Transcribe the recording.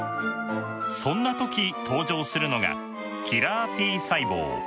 そんな時登場するのがキラーＴ細胞。